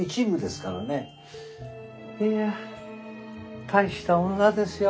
いや大した女ですよ